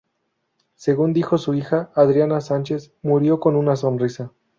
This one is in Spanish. Según dijo su hija, Adriana Sánchez: ""Murió con una sonrisa"".